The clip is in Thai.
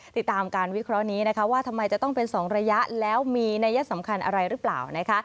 ติดตามการวิเคราะห์นี้นะคะว่าทำไมจะต้องเป็น๒ระยะแล้วมีนัยสำคัญอะไรหรือเปล่านะคะ